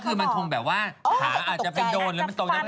ก็คือมันคงแบบว่าขาอาจจะเป็นโดนหรือเป็นตรงนั้น